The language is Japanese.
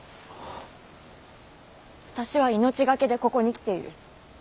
私は命懸けでここに来ている。